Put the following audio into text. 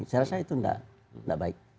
saya rasa itu tidak baik